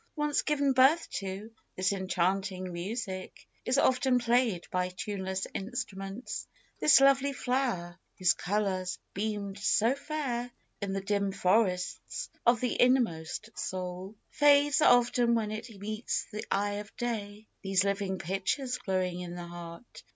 Once given birth to, this enchanting music Is often play'd by tuneless instruments ; This lovely flow'r, whose colours beamed so fair In the dim forests of the inmost soul, Fades often when it meets the eye of day. These living pictures glowing in the heart.